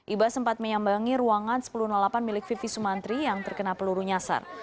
ibas sempat menyambangi ruangan sepuluh delapan milik vivi sumantri yang terkena peluru nyasar